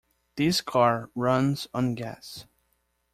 This car runs on gas.